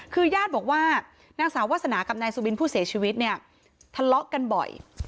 คือญาติบอกว่านางสาววาสนากับนายสุบินผู้เสียชีวิตเนี่ยทะเลาะกันบ่อย